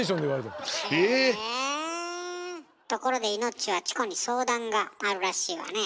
ところでイノッチはチコに相談があるらしいわね。